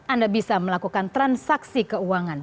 anda bisa melakukan transaksi keuangan